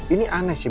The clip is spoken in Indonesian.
ini aneh sih